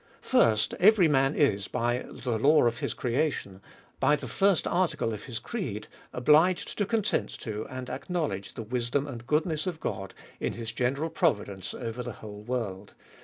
First, Every man is by the law of his creation, by the first article of his creed, obliged to consent to, and acknowledge the wisdom and goodness of God, in his general providence over the whole world.